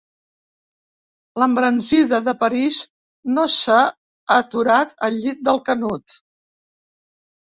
L'embranzida de París no s'ha aturat al llit del Canut.